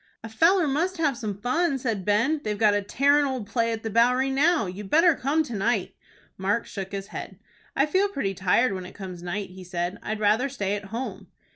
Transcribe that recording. "A feller must have some fun," said Ben. "They've got a tearin' old play at the Bowery now. You'd better come to night." Mark shook his head. "I feel pretty tired when it comes night," he said. "I'd rather stay at home."